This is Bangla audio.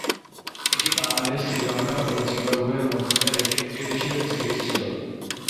এটি বাংলাদেশ, শ্রীলঙ্কা ও জিম্বাবুয়ের মধ্যকার একটি ত্রিদেশীয় সিরিজ ছিল।